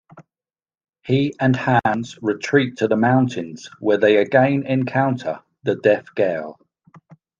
He and Hans retreat to the mountains where they again encounter the deaf girl.